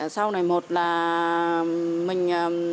sau này một là mình